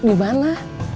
saeb di mana